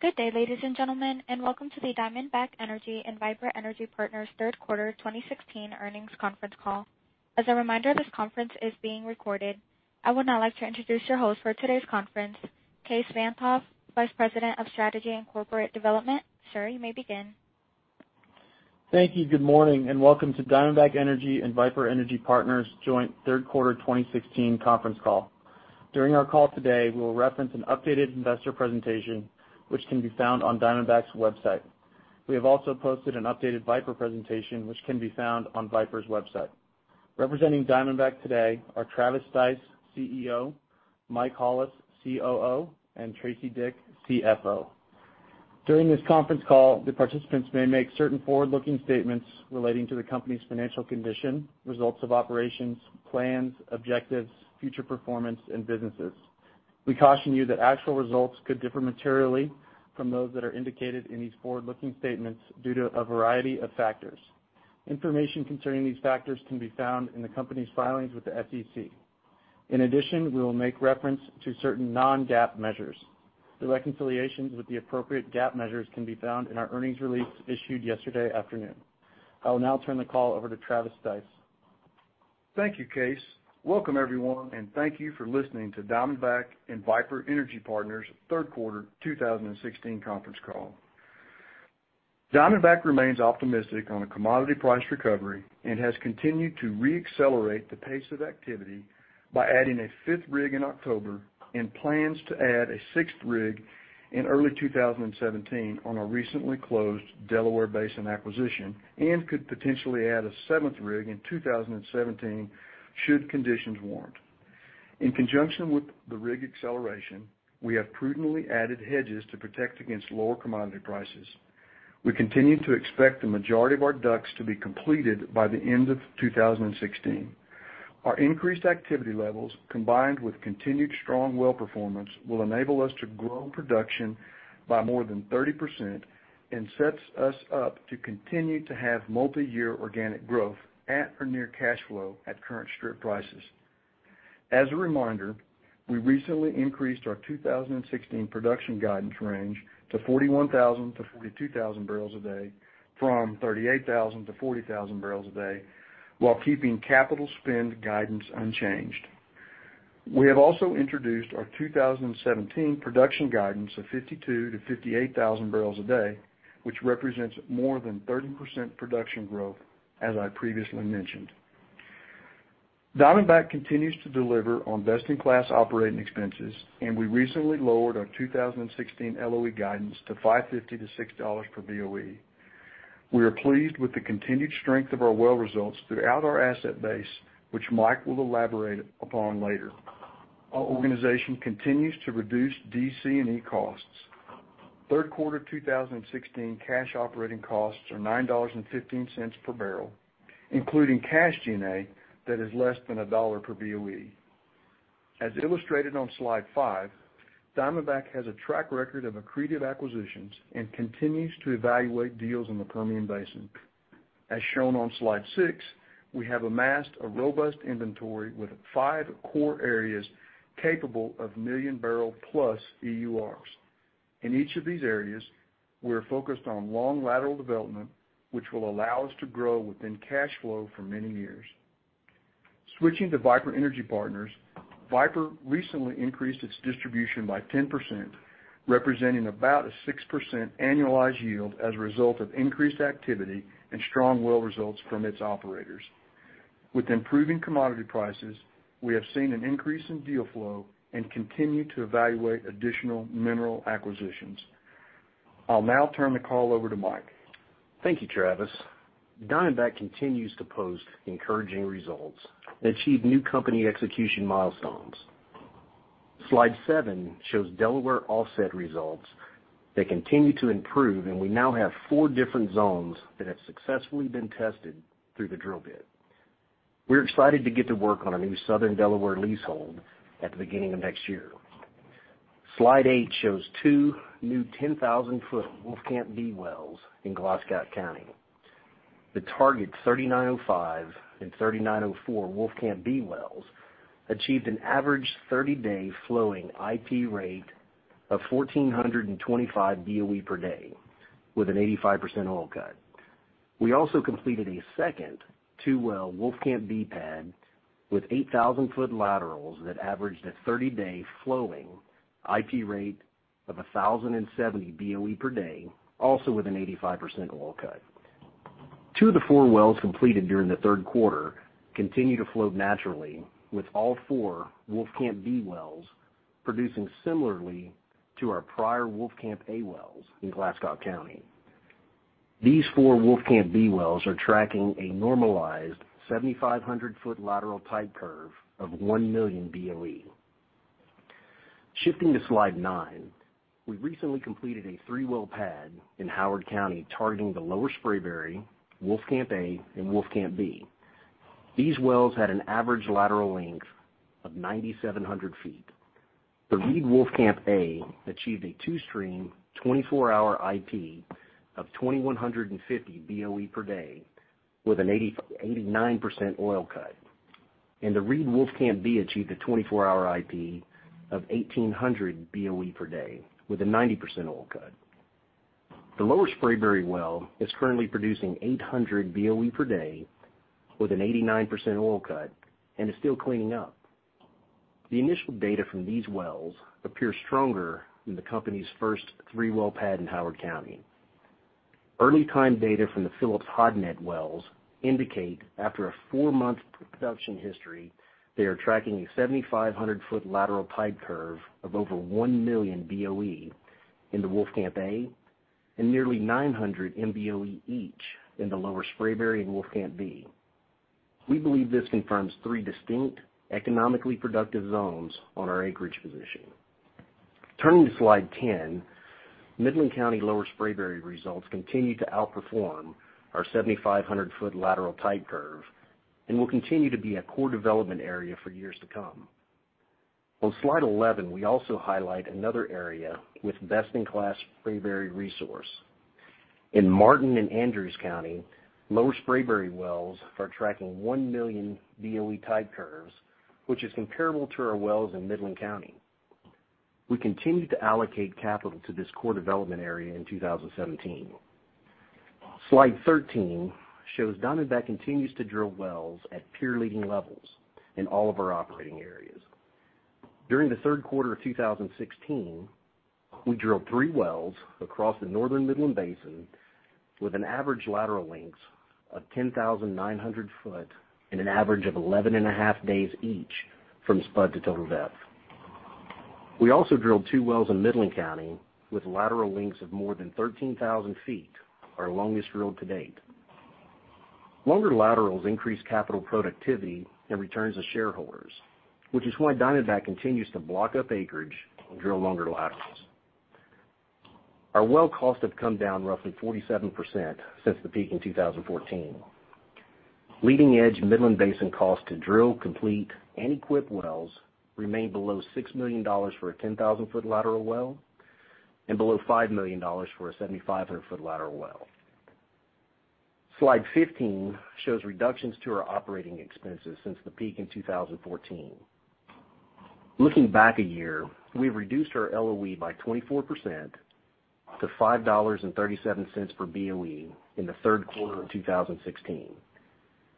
Good day, ladies and gentlemen, and welcome to the Diamondback Energy and Viper Energy Partners third quarter 2016 earnings conference call. As a reminder, this conference is being recorded. I would now like to introduce your host for today's conference, Kaes Van't Hof, Vice President of Strategy and Corporate Development. Sir, you may begin. Thank you. Good morning and welcome to Diamondback Energy and Viper Energy Partners joint third quarter 2016 conference call. During our call today, we'll reference an updated investor presentation, which can be found on diamondback's website. We have also posted an updated Viper presentation, which can be found on viper's website. Representing Diamondback today are Travis Stice, CEO, Mike Hollis, COO, and Tracy Dick, CFO. During this conference call, the participants may make certain forward-looking statements relating to the company's financial condition, results of operations, plans, objectives, future performance and businesses. We caution you that actual results could differ materially from those that are indicated in these forward-looking statements due to a variety of factors. Information concerning these factors can be found in the company's filings with the SEC. In addition, we will make reference to certain non-GAAP measures. The reconciliations with the appropriate GAAP measures can be found in our earnings release issued yesterday afternoon. I will now turn the call over to Travis Stice. Thank you, Kaes. Welcome everyone, and thank you for listening to Diamondback and Viper Energy Partners's third quarter 2016 conference call. Diamondback remains optimistic on a commodity price recovery and has continued to re-accelerate the pace of activity by adding a fifth rig in October, and plans to add a sixth rig in early 2017 on a recently closed Delaware Basin acquisition, and could potentially add a seventh rig in 2017 should conditions warrant. In conjunction with the rig acceleration, we have prudently added hedges to protect against lower commodity prices. We continue to expect the majority of our DUCs to be completed by the end of 2016. Our increased activity levels, combined with continued strong well performance, will enable us to grow production by more than 30% and sets us up to continue to have multi-year organic growth at or near cash flow at current strip prices. As a reminder, we recently increased our 2016 production guidance range to 41,000-42,000 barrels a day from 38,000-40,000 barrels a day, while keeping capital spend guidance unchanged. We have also introduced our 2017 production guidance of 52,000-58,000 barrels a day, which represents more than 30% production growth, as I previously mentioned. Diamondback continues to deliver on best-in-class operating expenses, and we recently lowered our 2016 LOE guidance to $5.50-$6 per BOE. We are pleased with the continued strength of our well results throughout our asset base, which Mike will elaborate upon later. Our organization continues to reduce D&C costs. Third quarter 2016 cash operating costs are $9.15 per barrel, including cash G&A that is less than $1 per BOE. As illustrated on slide five, Diamondback has a track record of accretive acquisitions and continues to evaluate deals in the Permian Basin. As shown on slide six, we have amassed a robust inventory with five core areas capable of million barrel plus EURs. In each of these areas, we're focused on long lateral development, which will allow us to grow within cash flow for many years. Switching to Viper Energy Partners, Viper recently increased its distribution by 10%, representing about a 6% annualized yield as a result of increased activity and strong well results from its operators. With improving commodity prices, we have seen an increase in deal flow and continue to evaluate additional mineral acquisitions. I'll now turn the call over to Mike. Thank you, Travis. Diamondback continues to post encouraging results and achieve new company execution milestones. Slide seven shows Delaware offset results that continue to improve, and we now have four different zones that have successfully been tested through the drill bit. We're excited to get to work on a new Southern Delaware leasehold at the beginning of next year. Slide eight shows two new 10,000-foot Wolfcamp B wells in Glasscock County. The target 3905 and 3904 Wolfcamp B wells achieved an average 30-day flowing IP rate of 1,425 BOE per day with an 85% oil cut. We also completed a second two-well Wolfcamp B pad with 8,000-foot laterals that averaged a 30-day flowing IP rate of 1,070 BOE per day, also with an 85% oil cut. Two of the four wells completed during the third quarter continue to flow naturally, with all four Wolfcamp B wells producing similarly to our prior Wolfcamp A wells in Glasscock County. These four Wolfcamp B wells are tracking a normalized 7,500-foot lateral type curve of 1 million BOE. Shifting to slide nine, we recently completed a three-well pad in Howard County targeting the Lower Spraberry, Wolfcamp A, and Wolfcamp B. These wells had an average lateral length of 9,700 feet. The Reed Wolfcamp A achieved a two-stream, 24-hour IP of 2,150 BOE per day with an 89% oil cut. The Reed Wolfcamp B achieved a 24-hour IP of 1,800 BOE per day with a 90% oil cut. The Lower Spraberry well is currently producing 800 BOE per day with an 89% oil cut and is still cleaning up. The initial data from these wells appears stronger than the company's first three-well pad in Howard County. Early time data from the Phillips-Hodnett wells indicate, after a four-month production history, they are tracking a 7,500-foot lateral type curve of over 1 million BOE in the Wolfcamp A, and nearly 900 MBOE each in the Lower Spraberry and Wolfcamp B. We believe this confirms three distinct economically productive zones on our acreage position. Turning to slide 10, Midland County Lower Spraberry results continue to outperform our 7,500-foot lateral type curve and will continue to be a core development area for years to come. On slide 11, we also highlight another area with best-in-class Spraberry resource. In Martin and Andrews County, Lower Spraberry wells are tracking 1 million BOE type curves, which is comparable to our wells in Midland County. We continue to allocate capital to this core development area in 2017. Slide 13 shows Diamondback continues to drill wells at peer-leading levels in all of our operating areas. During the third quarter of 2016, we drilled three wells across the Northern Midland Basin with an average lateral length of 10,900 foot and an average of 11 and a half days each from spud to total depth. We also drilled two wells in Midland County with lateral lengths of more than 13,000 feet, our longest drilled to date. Longer laterals increase capital productivity and returns to shareholders, which is why Diamondback continues to block up acreage and drill longer laterals. Our well costs have come down roughly 47% since the peak in 2014. Leading-edge Midland Basin costs to drill, complete, and equip wells remain below $6 million for a 10,000-foot lateral well, and below $5 million for a 7,500-foot lateral well. Slide 15 shows reductions to our operating expenses since the peak in 2014. Looking back a year, we've reduced our LOE by 24% to $5.37 per BOE in the third quarter of 2016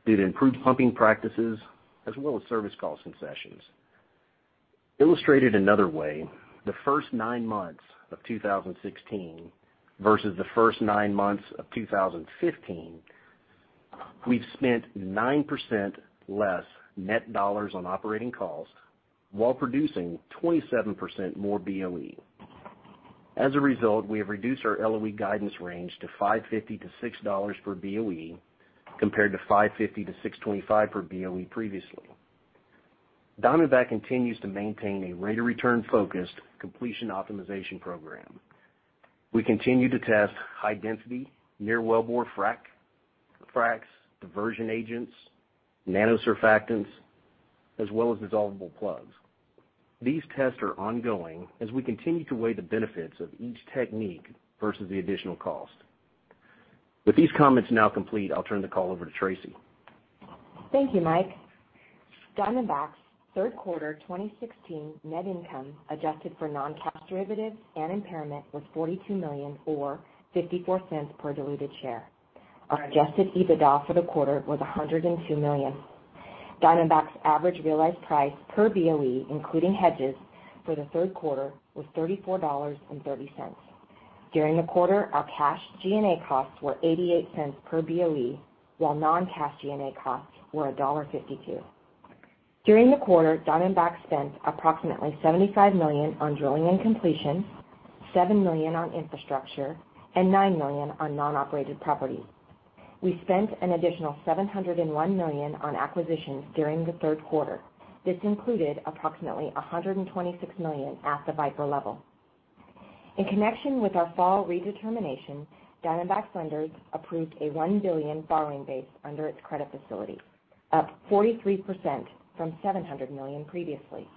due to improved pumping practices as well as service cost concessions. Illustrated another way, the first nine months of 2016 versus the first nine months of 2015, we've spent 9% less net dollars on operating costs while producing 27% more BOE. As a result, we have reduced our LOE guidance range to $5.50-$6 per BOE, compared to $5.50-$6.25 per BOE previously. Diamondback continues to maintain a rate of return-focused completion optimization program. We continue to test high-density near wellbore fracs, diversion agents, nanosurfactants, as well as dissolvable plugs. These tests are ongoing as we continue to weigh the benefits of each technique versus the additional cost. With these comments now complete, I'll turn the call over to Tracy. Thank you, Mike. Diamondback's third quarter 2016 net income, adjusted for non-cash derivatives and impairment, was $42 million, or $0.54 per diluted share. Our adjusted EBITDA for the quarter was $102 million. Diamondback's average realized price per BOE, including hedges, for the third quarter was $34.30. During the quarter, our cash G&A costs were $0.88 per BOE, while non-cash G&A costs were $1.52. During the quarter, Diamondback spent approximately $75 million on drilling and completion, $7 million on infrastructure, and $9 million on non-operated properties. We spent an additional $701 million on acquisitions during the third quarter. This included approximately $126 million at the Viper level. In connection with our fall redetermination, Diamondback's lenders approved a $1 billion borrowing base under its credit facility, up 43% from $700 million previously.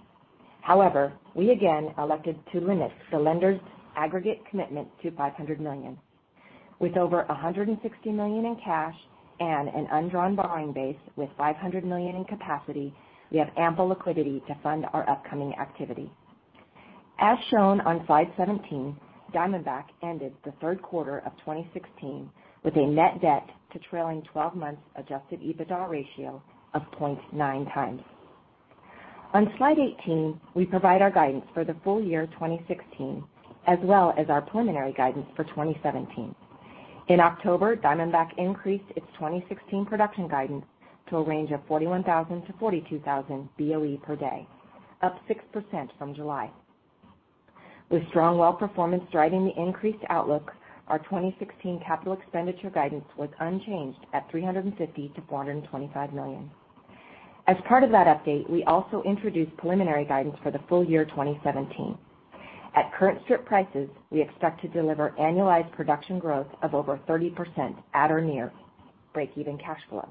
We again elected to limit the lenders' aggregate commitment to $500 million. With over $160 million in cash and an undrawn borrowing base with $500 million in capacity, we have ample liquidity to fund our upcoming activity. As shown on slide 17, Diamondback ended the third quarter of 2016 with a net debt to trailing 12 months adjusted EBITDA ratio of 0.9 times. On slide 18, we provide our guidance for the full year 2016, as well as our preliminary guidance for 2017. In October, Diamondback increased its 2016 production guidance to a range of 41,000 to 42,000 BOE per day, up 6% from July. With strong well performance driving the increased outlook, our 2016 capital expenditure guidance was unchanged at $350 million-$425 million. As part of that update, we also introduced preliminary guidance for the full year 2017. At current strip prices, we expect to deliver annualized production growth of over 30% at or near break-even cash flow.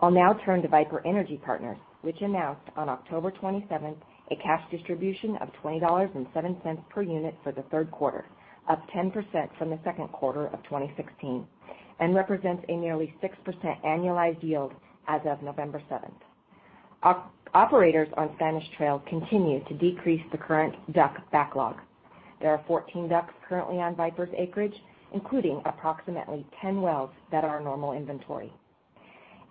I'll now turn to Viper Energy Partners, which announced on October 27th a cash distribution of $20.07 per unit for the third quarter, up 10% from the second quarter of 2016, and represents a nearly 6% annualized yield as of November 7th. Operators on Spanish Trail continue to decrease the current DUC backlog. There are 14 DUCs currently on Viper's acreage, including approximately 10 wells that are normal inventory.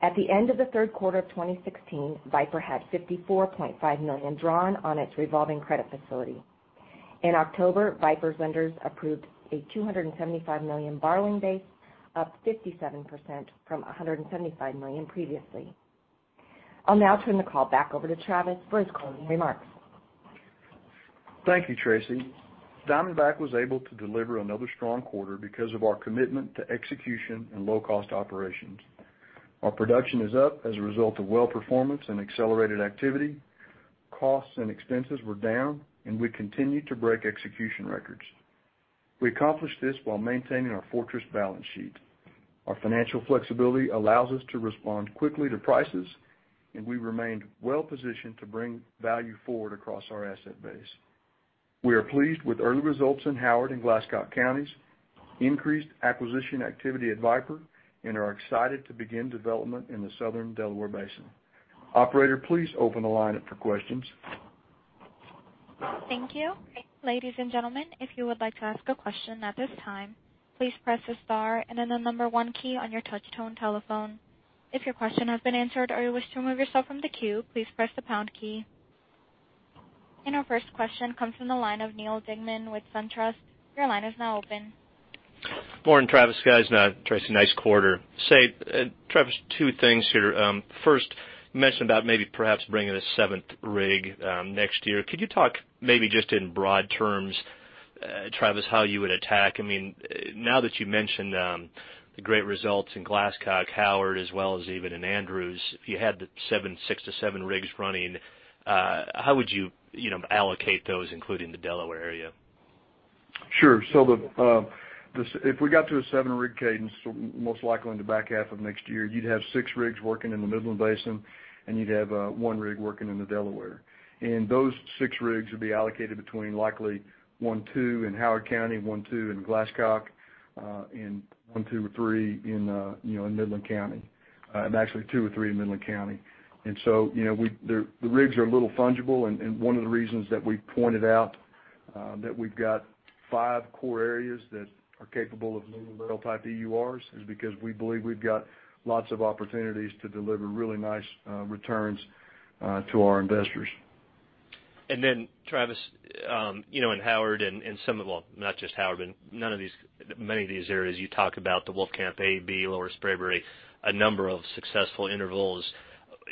At the end of the third quarter of 2016, Viper had $54.5 million drawn on its revolving credit facility. In October, Viper's lenders approved a $275 million borrowing base, up 57% from $175 million previously. I'll now turn the call back over to Travis for his closing remarks. Thank you, Tracy. Diamondback was able to deliver another strong quarter because of our commitment to execution and low-cost operations. Our production is up as a result of well performance and accelerated activity. Costs and expenses were down, and we continue to break execution records. We accomplished this while maintaining our fortress balance sheet. Our financial flexibility allows us to respond quickly to prices, and we remained well-positioned to bring value forward across our asset base. We are pleased with early results in Howard and Glasscock counties, increased acquisition activity at Viper, and are excited to begin development in the Southern Delaware Basin. Operator, please open the line up for questions. Thank you. Ladies and gentlemen, if you would like to ask a question at this time, please press the star and then the number 1 key on your touch-tone telephone. If your question has been answered or you wish to remove yourself from the queue, please press the pound key. Our first question comes from the line of Neal Dingmann with SunTrust. Your line is now open. Morning, Travis, guys. Tracy, nice quarter. Travis, two things here. First, mentioned about maybe perhaps bringing a seventh rig next year. Could you talk maybe just in broad terms, Travis, how you would attack? That you've mentioned the great results in Glasscock, Howard, as well as even in Andrews, if you had the six to seven rigs running, how would you allocate those, including the Delaware area? Sure. If we got to a seven-rig cadence, most likely in the back half of next year, you'd have six rigs working in the Midland Basin, and you'd have one rig working in the Delaware. Those six rigs would be allocated between likely one, two in Howard County, one, two in Glasscock, and one, two or three in Midland County. Actually two or three in Midland County. The rigs are a little fungible, and one of the reasons that we pointed out that we've got five core areas that are capable of million-barrel type EURs is because we believe we've got lots of opportunities to deliver really nice returns to our investors. Travis, in Howard and some of the Well, not just Howard, but many of these areas you talk about the Wolfcamp A, B, Lower Spraberry, a number of successful intervals.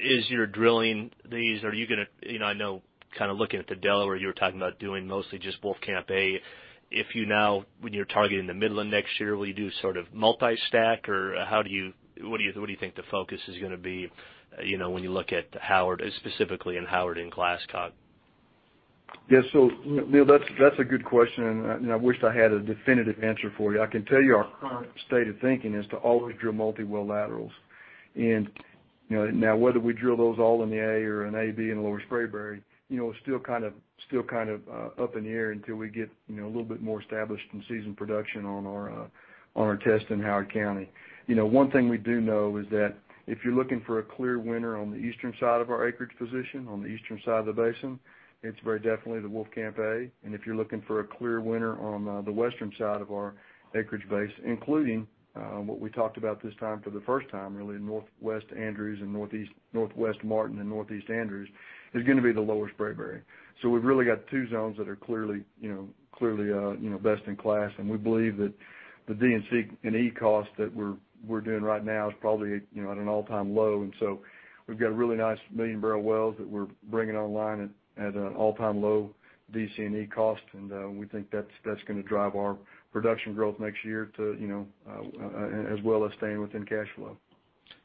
Is your drilling these? I know looking at the Delaware, you were talking about doing mostly just Wolfcamp A. If you now, when you're targeting the Midland next year, will you do sort of multi-stack, or what do you think the focus is going to be when you look at Howard, specifically in Howard and Glasscock? Neal, that's a good question, I wish I had a definitive answer for you. I can tell you our current state of thinking is to always drill multi-well laterals. Now whether we drill those all in the A or in A, B, in Lower Spraberry, it's still up in the air until we get a little bit more established in season production on our tests in Howard County. One thing we do know is that if you're looking for a clear winner on the eastern side of our acreage position, on the eastern side of the basin, it's very definitely the Wolfcamp A. If you're looking for a clear winner on the western side of our acreage base, including what we talked about this time for the first time, really, Northwest Andrews and Northwest Martin and Northeast Andrews, is going to be the Lower Spraberry. We've really got two zones that are clearly best in class, and we believe that the DC&E cost that we're doing right now is probably at an all-time low. We've got really nice million-barrel wells that we're bringing online at an all-time low DC&E cost, and we think that's going to drive our production growth next year as well as staying within cash flow.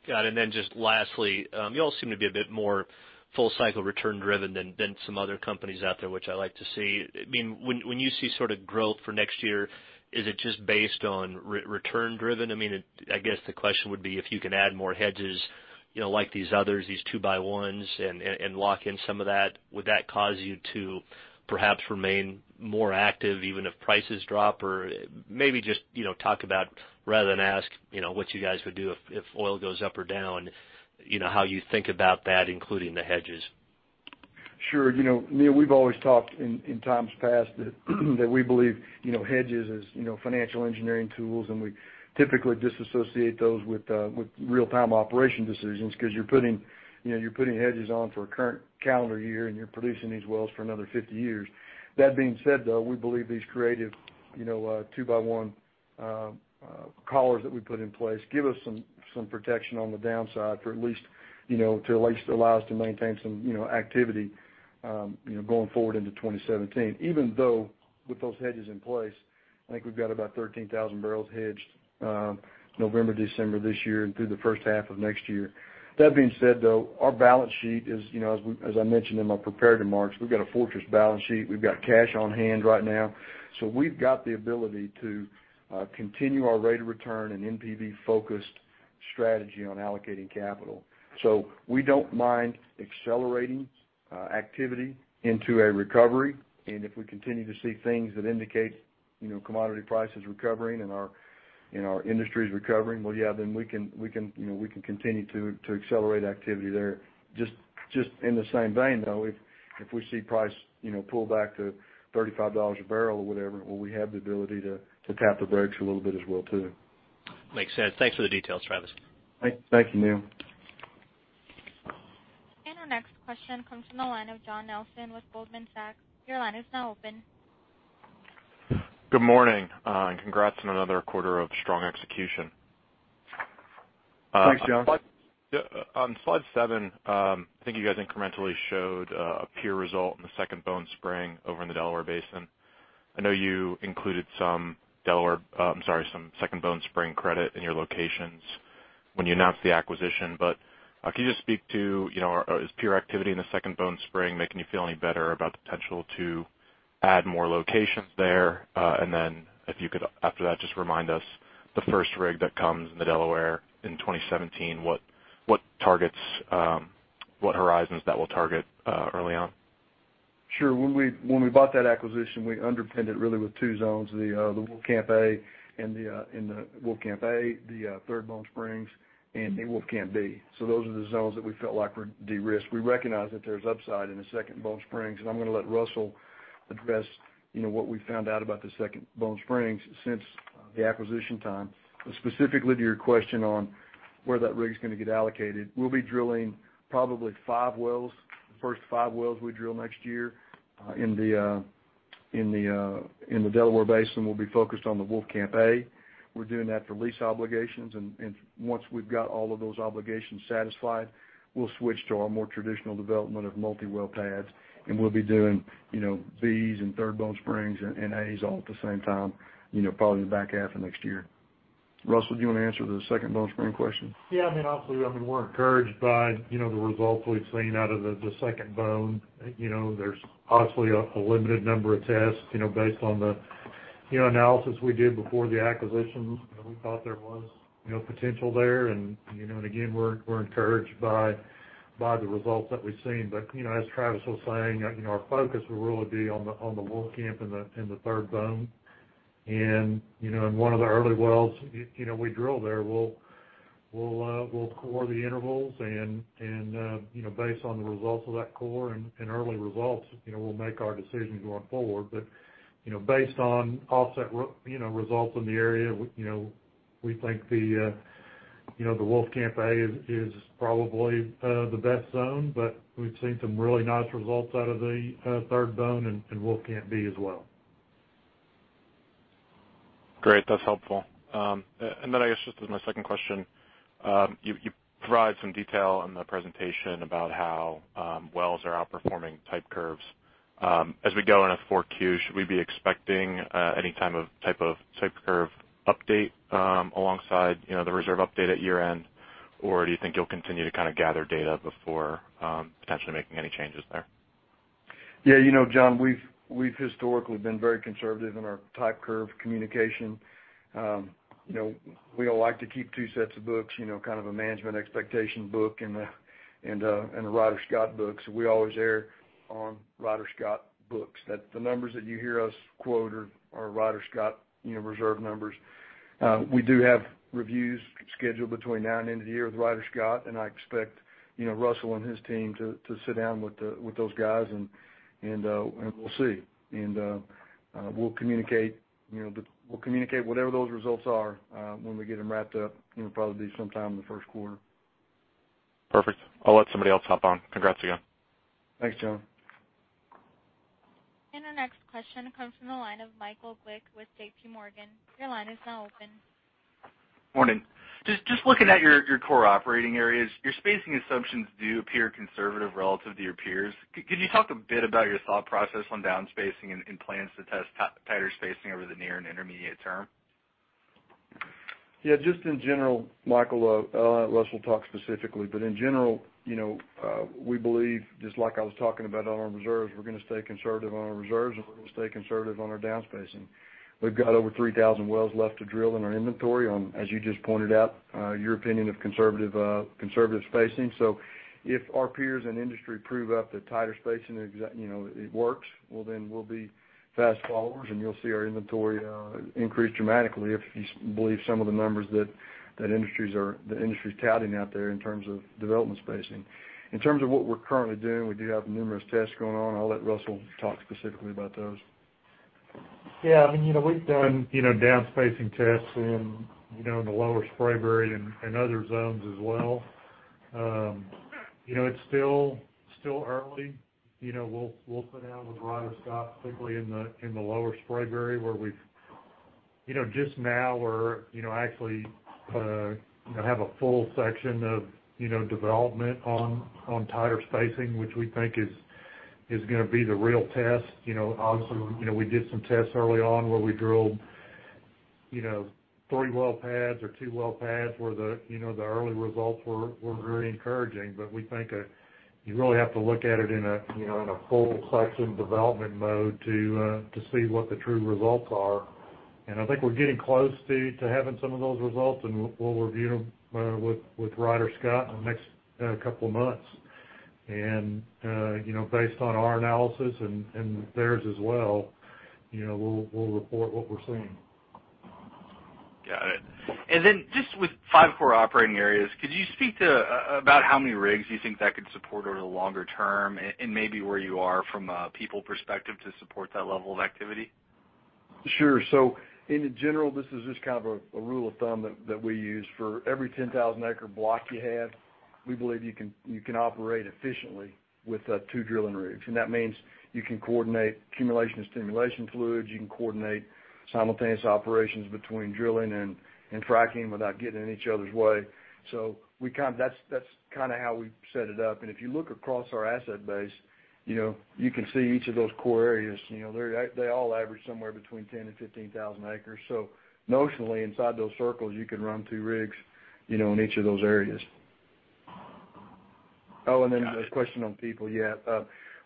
Got it. Just lastly, you all seem to be a bit more full cycle return driven than some other companies out there, which I like to see. When you see sort of growth for next year, is it just based on return driven? I guess the question would be if you can add more hedges, like these others, these two-by-ones and lock in some of that, would that cause you to perhaps remain more active even if prices drop? Maybe just talk about rather than ask, what you guys would do if oil goes up or down, how you think about that, including the hedges. Sure. Neal, we've always talked in times past that we believe hedges is financial engineering tools, we typically disassociate those with real-time operation decisions because you're putting hedges on for a current calendar year, you're producing these wells for another 50 years. That being said, though, we believe these creative two-by-one collars that we put in place give us some protection on the downside to at least allow us to maintain some activity going forward into 2017, even though with those hedges in place, I think we've got about 13,000 barrels hedged November, December this year, and through the first half of next year. That being said, though, our balance sheet is, as I mentioned in my prepared remarks, we've got a fortress balance sheet. We've got cash on hand right now. We've got the ability to continue our rate of return and NPV-focused strategy on allocating capital. We don't mind accelerating activity into a recovery. If we continue to see things that indicate commodity prices recovering and our industry is recovering, we can continue to accelerate activity there. Just in the same vein, though, if we see price pull back to $35 a barrel or whatever, we have the ability to tap the brakes a little bit as well too. Makes sense. Thanks for the details, Travis. Thank you, Neal. Our next question comes from the line of John Nelson with Goldman Sachs. Your line is now open. Good morning. Congrats on another quarter of strong execution. Thanks, John. On slide seven, I think you guys incrementally showed a peer result in the Second Bone Spring over in the Delaware Basin. I know you included some Second Bone Spring credit in your locations when you announced the acquisition. Can you just speak to, is peer activity in the Second Bone Spring making you feel any better about the potential to add more locations there? If you could, after that, just remind us the first rig that comes in the Delaware in 2017, what horizons that will target early on? Sure. When we bought that acquisition, we underpinned it really with two zones, the Wolfcamp A, the Third Bone Spring, and the Wolfcamp B. Those are the zones that we felt like were de-risked. We recognize that there's upside in the Second Bone Spring. I'm going to let Russell address what we found out about the Second Bone Spring since the acquisition time. Specifically to your question on where that rig's going to get allocated, we'll be drilling probably five wells. The first five wells we drill next year in the Delaware Basin will be focused on the Wolfcamp A. We're doing that for lease obligations, and once we've got all of those obligations satisfied, we'll switch to our more traditional development of multi-well pads, and we'll be doing Bs and Third Bone Spring and As all at the same time, probably in the back half of next year. Russell, do you want to answer the Second Bone Spring question? Obviously, we're encouraged by the results we've seen out of the Second Bone. There's obviously a limited number of tests. Based on the analysis we did before the acquisition, we thought there was potential there, and again, we're encouraged by the results that we've seen. As Travis was saying, our focus will really be on the Wolfcamp and the Third Bone. In one of the early wells we drill there, we'll core the intervals, and based on the results of that core and early results, we'll make our decision going forward. Based on offset results in the area, we think the Wolfcamp A is probably the best zone, but we've seen some really nice results out of the Third Bone and Wolfcamp B as well. Great. That's helpful. I guess just as my second question, you provide some detail in the presentation about how wells are outperforming type curves. As we go into 4Q, should we be expecting any type of type curve update alongside the reserve update at year-end, or do you think you'll continue to gather data before potentially making any changes there? John, we've historically been very conservative in our type curve communication. We like to keep two sets of books, kind of a management expectation book and a Ryder Scott book. We always err on Ryder Scott books. The numbers that you hear us quote are Ryder Scott reserve numbers. We do have reviews scheduled between now and end of the year with Ryder Scott, and I expect Russell and his team to sit down with those guys, and we'll see. We'll communicate whatever those results are when we get them wrapped up. It'll probably be sometime in the first quarter. Perfect. I'll let somebody else hop on. Congrats again. Thanks, John. Our next question comes from the line of Michael Glick with J.P. Morgan. Your line is now open. Morning. Just looking at your core operating areas, your spacing assumptions do appear conservative relative to your peers. Could you talk a bit about your thought process on down spacing and plans to test tighter spacing over the near and intermediate term? Yeah. Just in general, Michael, Russ will talk specifically, but in general, we believe, just like I was talking about on our reserves, we're going to stay conservative on our reserves, and we're going to stay conservative on our down spacing. We've got over 3,000 wells left to drill in our inventory on, as you just pointed out, your opinion of conservative spacing. If our peers in the industry prove up that tighter spacing works, well then we'll be fast followers, and you'll see our inventory increase dramatically if you believe some of the numbers that the industry's touting out there in terms of development spacing. In terms of what we're currently doing, we do have numerous tests going on. I'll let Russell talk specifically about those. Yeah. We've done down spacing tests in the Lower Spraberry and other zones as well. It's still early. We'll sit down with Ryder Scott, particularly in the Lower Spraberry, where just now we're actually going to have a full section of development on tighter spacing, which we think is going to be the real test. Obviously, we did some tests early on where we drilled 3 well pads or 2 well pads where the early results were very encouraging. We think you really have to look at it in a whole section development mode to see what the true results are. I think we're getting close to having some of those results, and we'll review them with Ryder Scott in the next couple of months. Based on our analysis and theirs as well, we'll report what we're seeing. Got it. Then just with 5 core operating areas, could you speak to about how many rigs you think that could support over the longer term, and maybe where you are from a people perspective to support that level of activity? In general, this is just a rule of thumb that we use. For every 10,000-acre block you have, we believe you can operate efficiently with two drilling rigs. That means you can coordinate accumulation and stimulation fluids, you can coordinate simultaneous operations between drilling and fracking without getting in each other's way. That's how we set it up. If you look across our asset base, you can see each of those core areas. They all average somewhere between 10 and 15,000 acres. Notionally, inside those circles, you can run two rigs, in each of those areas. Then the question on people. Yeah.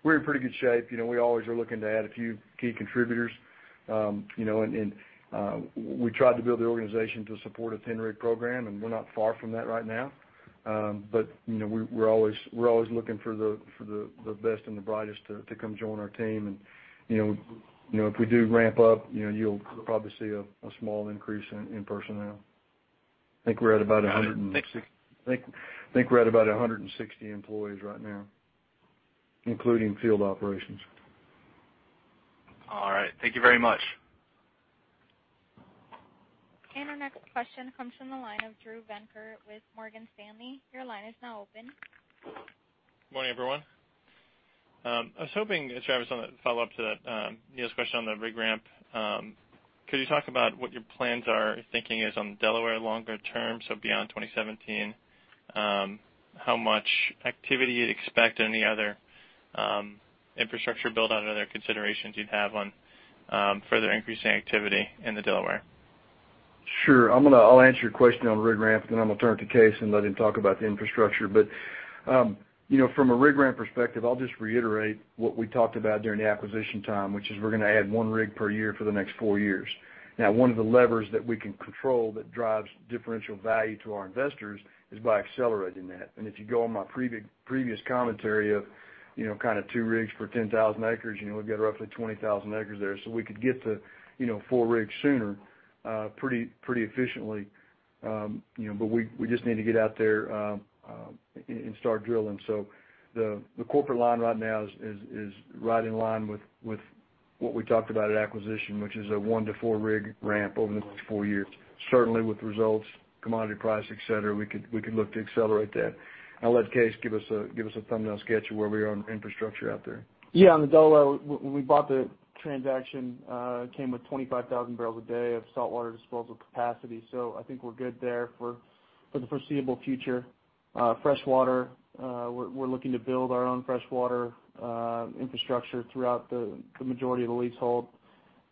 We're in pretty good shape. We always are looking to add a few key contributors. We tried to build the organization to support a 10-rig program, and we're not far from that right now. We're always looking for the best and the brightest to come join our team. If we do ramp up, you'll probably see a small increase in personnel. I think we're at about 160 employees right now, including field operations. All right. Thank you very much. Our next question comes from the line of Drew Venker with Morgan Stanley. Your line is now open. Good morning, everyone. I was hoping, Travis Stice, on a follow-up to that, Neal Dingmann's question on the rig ramp. Could you talk about what your plans are, your thinking is on the Delaware longer term, so beyond 2017? How much activity you'd expect, any other infrastructure build out, or other considerations you'd have on further increasing activity in the Delaware. Sure. I'll answer your question on rig ramp, and then I'm going to turn it to Kaes Van't Hof and let him talk about the infrastructure. From a rig ramp perspective, I'll just reiterate what we talked about during the acquisition time, which is we're going to add one rig per year for the next four years. One of the levers that we can control that drives differential value to our investors is by accelerating that. If you go on my previous commentary of two rigs per 10,000 acres, we've got roughly 20,000 acres there. We could get to four rigs sooner pretty efficiently. We just need to get out there and start drilling. The corporate line right now is right in line with what we talked about at acquisition, which is a one to four rig ramp over the next four years. Certainly, with results, commodity price, et cetera, we could look to accelerate that. I'll let Kaes Van't Hof give us a thumbnail sketch of where we are on infrastructure out there. Yeah, on the Delaware, when we bought the transaction, it came with 25,000 barrels a day of saltwater disposal capacity. I think we're good there for the foreseeable future. Freshwater, we're looking to build our own freshwater infrastructure throughout the majority of the leasehold,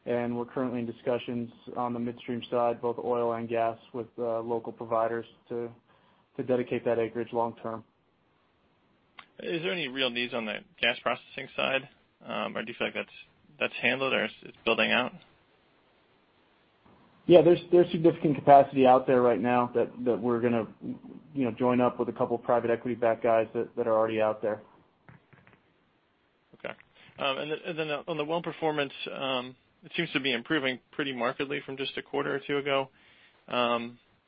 and we're currently in discussions on the midstream side, both oil and gas, with local providers to dedicate that acreage long term. Is there any real needs on the gas processing side? Do you feel like that's handled, or it's building out? Yeah, there's significant capacity out there right now that we're going to join up with a couple private equity-backed guys that are already out there. Okay. On the well performance, it seems to be improving pretty markedly from just a quarter or two ago.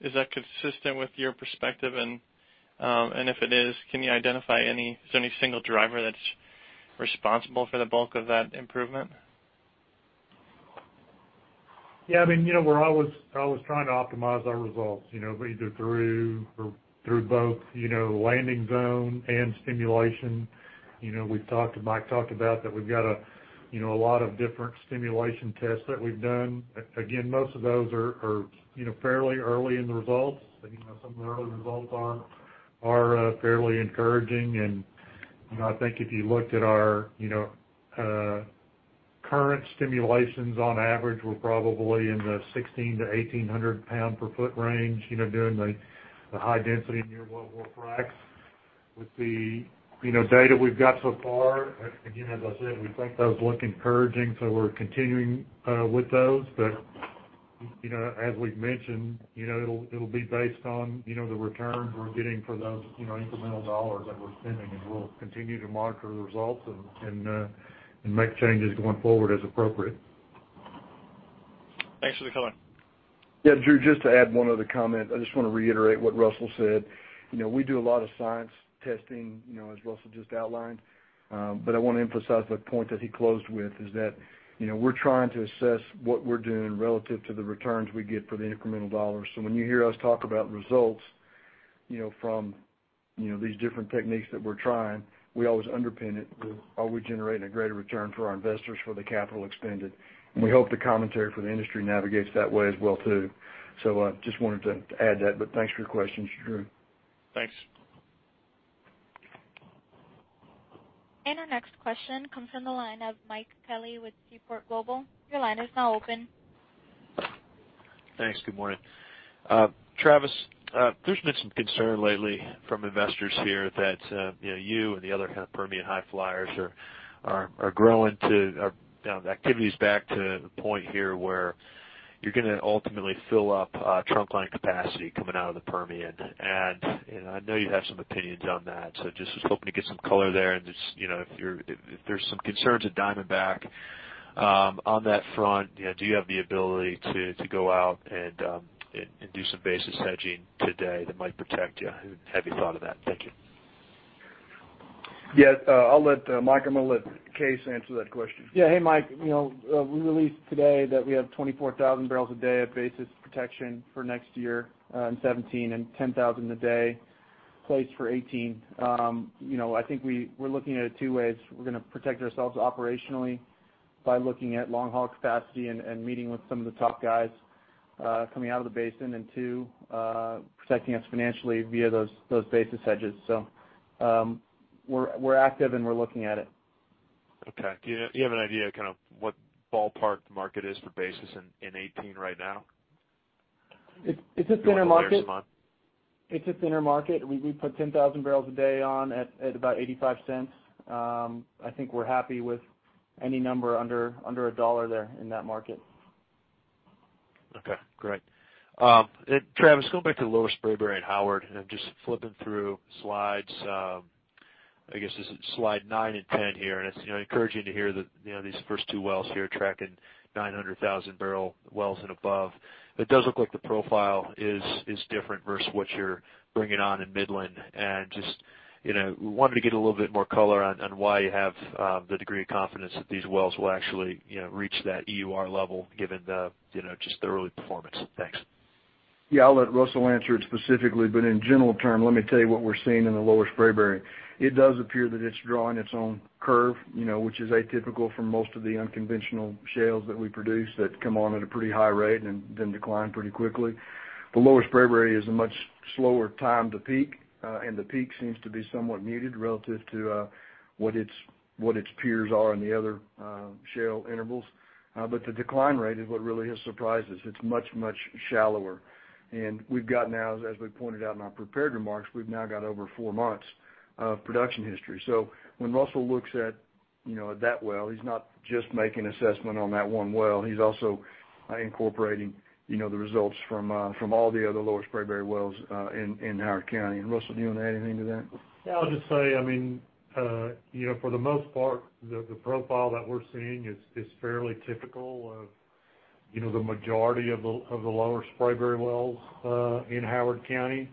Is that consistent with your perspective? If it is, can you identify, is there any single driver that's responsible for the bulk of that improvement? Yeah. We're always trying to optimize our results, either through both landing zone and stimulation. Mike talked about that we've got a lot of different stimulation tests that we've done. Most of those are fairly early in the results. Some of the early results are fairly encouraging, I think if you looked at our current stimulations, on average, we're probably in the 16,000-18,000 pound per foot range, doing the high density near wellbore fracs. With the data we've got so far, as I said, we think those look encouraging, we're continuing with those. As we've mentioned, it'll be based on the returns we're getting for those incremental dollars that we're spending. We'll continue to monitor the results and make changes going forward as appropriate. Thanks for the color. Yeah, Drew, just to add one other comment. I just want to reiterate what Russell said. We do a lot of science testing, as Russell just outlined. I want to emphasize the point that he closed with, is that we're trying to assess what we're doing relative to the returns we get for the incremental dollars. When you hear us talk about results from these different techniques that we're trying, we always underpin it with are we generating a greater return for our investors for the capital expended. We hope the commentary for the industry navigates that way as well, too. Just wanted to add that, but thanks for your questions, Drew. Thanks. Our next question comes from the line of Mike Kelly with Seaport Global. Your line is now open. Thanks. Good morning. Travis, there's been some concern lately from investors here that you and the other kind of Permian high flyers are growing activities back to the point here where you're going to ultimately fill up trunkline capacity coming out of the Permian. I know you have some opinions on that, so just was hoping to get some color there and if there's some concerns at Diamondback on that front, do you have the ability to go out and do some basis hedging today that might protect you? Have you thought of that? Thank you. Yes. Mike, I'm going to let Kaes answer that question. Yeah. Hey, Mike. We released today that we have 24,000 barrels a day of basis protection for next year, in 2017, and 10,000 a day placed for 2018. I think we're looking at it two ways. We're going to protect ourselves operationally by looking at long-haul capacity and meeting with some of the top guys coming out of the basin, and two, protecting us financially via those basis hedges. We're active, and we're looking at it. Okay. Do you have an idea what ballpark the market is for basis in 2018 right now? It's a thinner market. A barrel or so a month? It's a thinner market. We put 10,000 barrels a day on at about $0.85. I think we're happy with any number under $1 there in that market. Okay, great. Travis, going back to the Lower Spraberry in Howard, I'm just flipping through slides, I guess this is slide nine and 10 here, it's encouraging to hear that these first two wells here are tracking 900,000-barrel wells and above. It does look like the profile is different versus what you're bringing on in Midland. Just wanted to get a little bit more color on why you have the degree of confidence that these wells will actually reach that EUR level given just the early performance. Thanks. Yeah, I'll let Russell answer it specifically. In general terms, let me tell you what we're seeing in the Lower Spraberry. It does appear that it's drawing its own curve, which is atypical for most of the unconventional shales that we produce that come on at a pretty high rate and then decline pretty quickly. The Lower Spraberry is a much slower time to peak, and the peak seems to be somewhat muted relative to what its peers are in the other shale intervals. The decline rate is what really has surprised us. It's much, much shallower. We've got now, as we pointed out in our prepared remarks, we've now got over four months of production history. When Russell looks at that well, he's not just making assessment on that one well, he's also incorporating the results from all the other Lower Spraberry wells in Howard County. Russell, do you want to add anything to that? Yeah, I'll just say, for the most part, the profile that we're seeing is fairly typical of the majority of the Lower Spraberry wells in Howard County.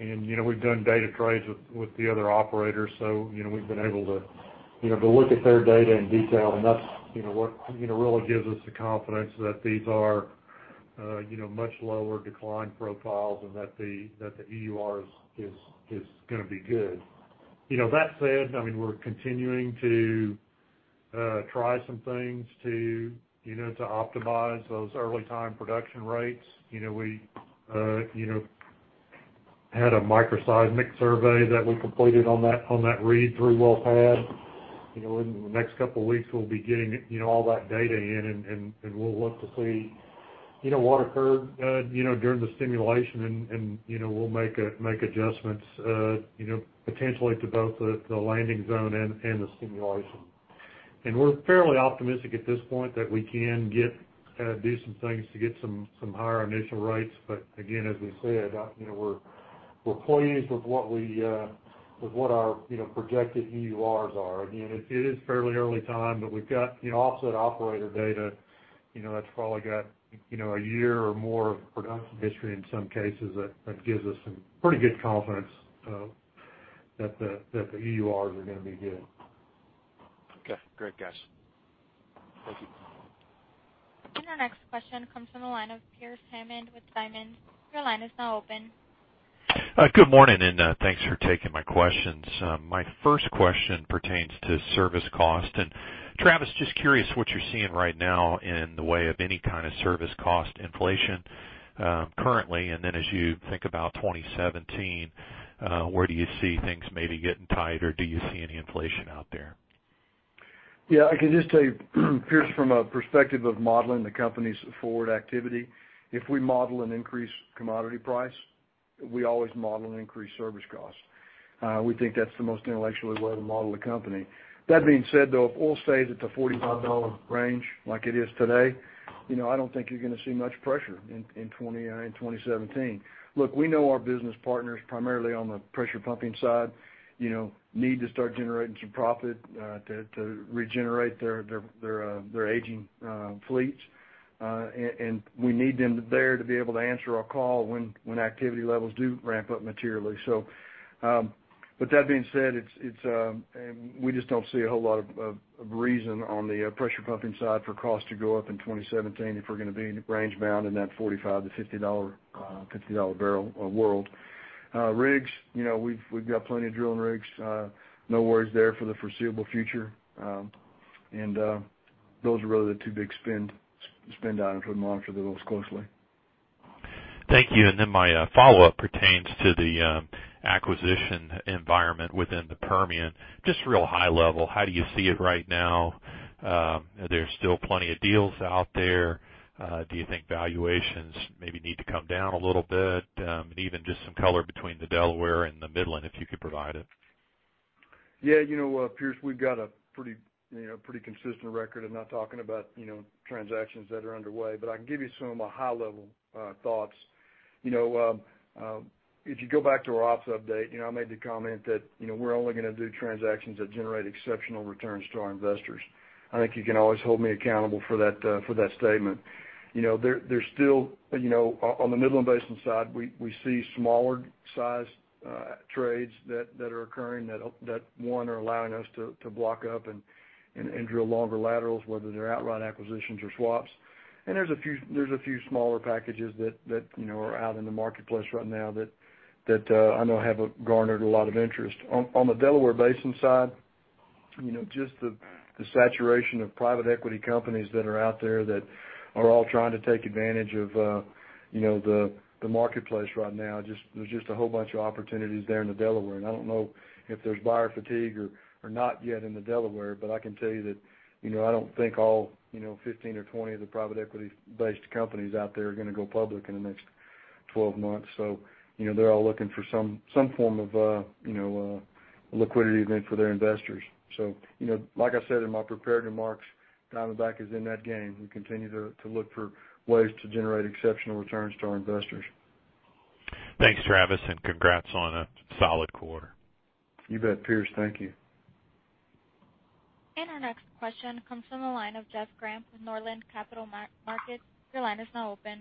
We've done data trades with the other operators, so we've been able to look at their data in detail, and that's what really gives us the confidence that these are much lower decline profiles and that the EUR is going to be good. That said, we're continuing to try some things to optimize those early time production rates. We had a microseismic survey that we completed on that Reed well pad. In the next couple of weeks, we'll be getting all that data in, we'll look to see what occurred during the stimulation, we'll make adjustments, potentially to both the landing zone and the stimulation. We're fairly optimistic at this point that we can do some things to get some higher initial rates. Again, as we said, we're pleased with what our projected EURs are. Again, it is fairly early time, we've got offset operator data that's probably got a year or more of production history in some cases that gives us some pretty good confidence that the EURs are going to be good. Okay, great, guys. Thank you. Our next question comes from the line of Pearce Hammond with Simmons. Your line is now open. Good morning, thanks for taking my questions. My first question pertains to service cost. Travis, just curious what you're seeing right now in the way of any kind of service cost inflation currently, then as you think about 2017, where do you see things maybe getting tighter? Do you see any inflation out there? Yeah, I can just tell you, Pearce, from a perspective of modeling the company's forward activity, if we model an increased commodity price, we always model an increased service cost. We think that's the most intellectual way to model the company. That being said, though, if oil stays at the $45 range like it is today, I don't think you're going to see much pressure in 2017. Look, we know our business partners, primarily on the pressure pumping side, need to start generating some profit to regenerate their aging fleets. We need them there to be able to answer our call when activity levels do ramp up materially. With that being said, we just don't see a whole lot of reason on the pressure pumping side for cost to go up in 2017 if we're going to be range bound in that $45-$50 a barrel world. Rigs, we've got plenty of drilling rigs. No worries there for the foreseeable future. Those are really the two big spend items. We monitor those closely. Thank you. Then my follow-up pertains to the acquisition environment within the Permian. Just real high level, how do you see it right now? Are there still plenty of deals out there? Do you think valuations maybe need to come down a little bit? Even just some color between the Delaware and the Midland, if you could provide it. Yeah, Pearce, we've got a pretty consistent record. I'm not talking about transactions that are underway, but I can give you some of my high-level thoughts. If you go back to our ops update, I made the comment that we're only going to do transactions that generate exceptional returns to our investors. I think you can always hold me accountable for that statement. On the Midland Basin side, we see smaller sized trades that are occurring that, one, are allowing us to block up and drill longer laterals, whether they're outright acquisitions or swaps. There's a few smaller packages that are out in the marketplace right now that I know have garnered a lot of interest. On the Delaware Basin side, just the saturation of private equity companies that are out there that are all trying to take advantage of the marketplace right now. There's just a whole bunch of opportunities there in the Delaware, I don't know if there's buyer fatigue or not yet in the Delaware. I can tell you that I don't think all 15 or 20 of the private equity-based companies out there are going to go public in the next 12 months. They're all looking for some form of a liquidity event for their investors. Like I said in my prepared remarks, Diamondback is in that game. We continue to look for ways to generate exceptional returns to our investors. Thanks, Travis, congrats on a solid quarter. You bet, Pearce. Thank you. Our next question comes from the line of Jeff Grampp with Northland Capital Markets. Your line is now open.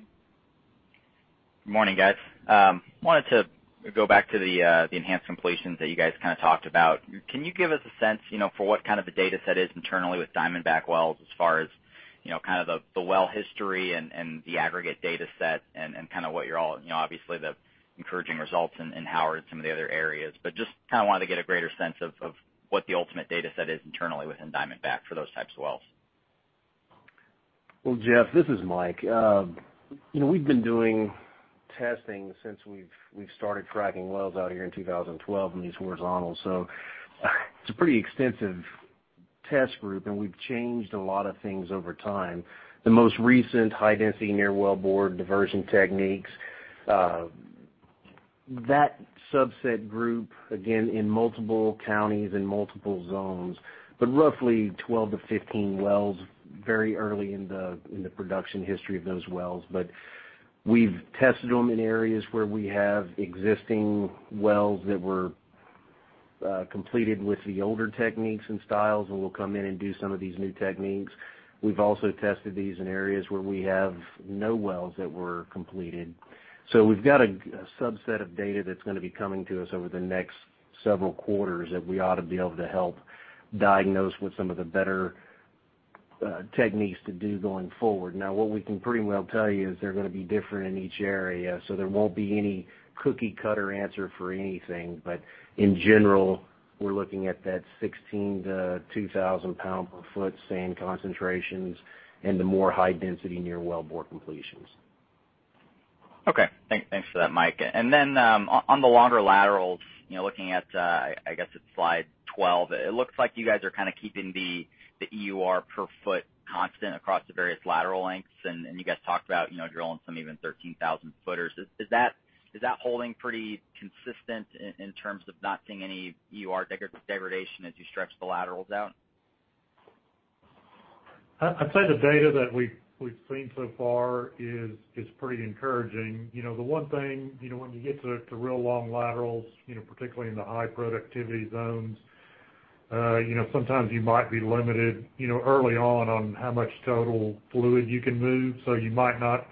Good morning, guys. I wanted to go back to the enhanced completions that you guys talked about. Can you give us a sense for what kind of a data set is internally with Diamondback wells as far as the well history and the aggregate data set and obviously the encouraging results in Howard and some of the other areas? Just wanted to get a greater sense of what the ultimate data set is internally within Diamondback for those types of wells. Well, Jeff, this is Mike. We've been doing testing since we've started fracking wells out here in 2012 in these horizontals. It's a pretty extensive test group, and we've changed a lot of things over time. The most recent high density near well bore diversion techniques, that subset group, again, in multiple counties and multiple zones, but roughly 12 to 15 wells very early in the production history of those wells. We've tested them in areas where we have existing wells that were completed with the older techniques and styles, and we'll come in and do some of these new techniques. We've also tested these in areas where we have no wells that were completed. We've got a subset of data that's going to be coming to us over the next several quarters that we ought to be able to help diagnose with some of the better techniques to do going forward. What we can pretty well tell you is they're going to be different in each area, there won't be any cookie cutter answer for anything. In general, we're looking at that [16-2,000] pounds per foot sand concentrations and the more high density near well bore completions. Okay. Thanks for that, Mike. On the longer laterals, looking at slide 12, it looks like you guys are keeping the EUR per foot constant across the various lateral lengths, and you guys talked about drilling some even 13,000 footers. Is that holding pretty consistent in terms of not seeing any EUR degradation as you stretch the laterals out? I'd say the data that we've seen so far is pretty encouraging. The one thing when you get to real long laterals, particularly in the high productivity zones, sometimes you might be limited early on on how much total fluid you can move. You might not,